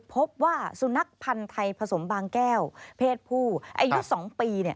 พบว่าสุนัขพันธ์ไทยผสมบางแก้วเพศผู้อายุ๒ปี